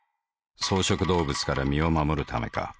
草食動物から身を護るためか。